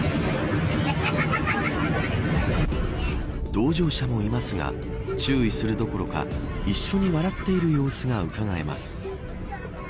同乗者もいますが注意するどころか一緒に笑っている様子がうかがえます。